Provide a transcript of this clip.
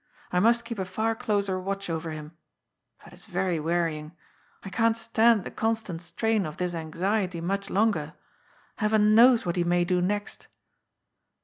I must keep a far closer watch over him. But it is very wearying. I can't stand the constant strain of this anxiety much longer. Heaven knows what he may do next."